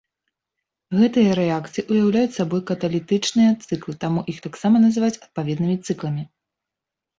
Гэтыя рэакцыі ўяўляюць сабой каталітычныя цыклы, таму іх таксама называюць адпаведнымі цыкламі.